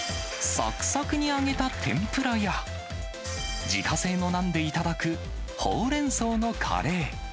さくさくに揚げた天ぷらや、自家製のナンで頂くほうれんそうのカレー。